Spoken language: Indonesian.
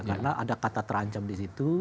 karena ada kata terancam di situ